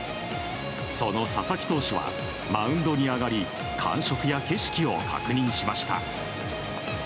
その佐々木投手はマウンドに上がり感触や景色を確認しました。